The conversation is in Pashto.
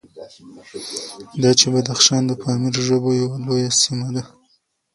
دا چې بدخشان د پامیري ژبو یوه لویه سیمه ده،